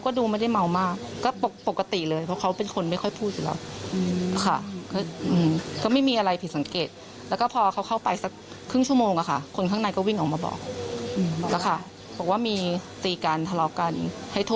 ก็ไม่มีอะไรผิดสังเกต